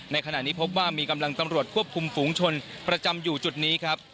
ในขณะนี้พบว่ามีกำลังตำรวจควบคุมฝูงชนประจำอยู่จุดนี้ครับ